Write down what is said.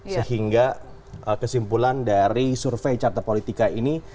sehingga kesimpulan dari survei carta politika ini